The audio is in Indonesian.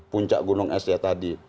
puncak gunung es ya tadi